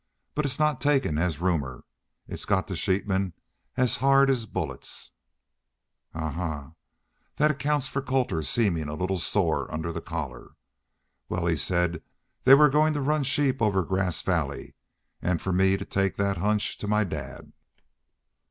But it's not taken as rumor. It's got to the sheepmen as hard as bullets." "Ahuh! That accunts for Colter's seemin' a little sore under the collar. Well, he said they were goin' to run sheep over Grass Valley, an' for me to take that hunch to my dad."